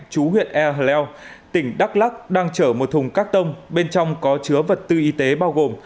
chú huyện ea leo tỉnh đắk lắc đang chở một thùng các tông bên trong có chứa vật tư y tế bao gồm